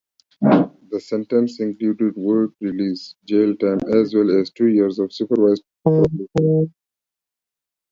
The sentence included work-release jail time as well as two years of supervised probation.